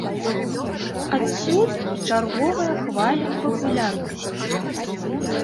Адсюль і чарговая хваля папулярнасці.